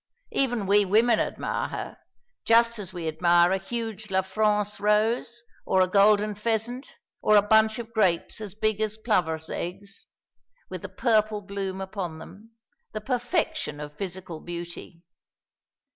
Even we women admire her, just as we admire a huge La France rose, or a golden pheasant, or a bunch of grapes as big as plovers' eggs, with the purple bloom upon them; the perfection of physical beauty.